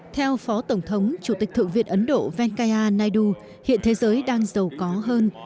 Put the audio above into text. theo phó tổng thống chủ tịch thượng viện ấn độ venkaya naidu hiện thế giới đang giàu có hơn